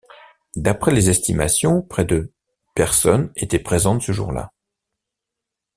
D'après les estimations, près de personnes étaient présentes ce jour-là.